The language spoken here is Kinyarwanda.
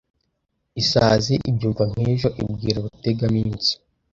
Isazi ibyumva nk' ejo ibwira Rutegaminsi